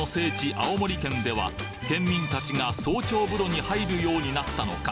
青森県では県民たちが早朝風呂に入るようになったのか？